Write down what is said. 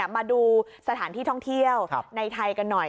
มาดูสถานที่ท่องเที่ยวในไทยกันหน่อย